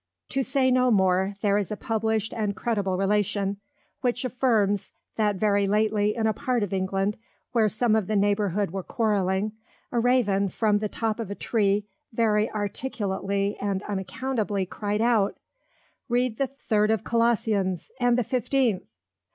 To say no more, there is a published and credible Relation; which affirms, That very lately in a part of England, where some of the Neighbourhood were quarrelling, a Raven from the Top of a Tree very articulately and unaccountably cry'd out, _Read the Third of Colossians and the Fifteenth!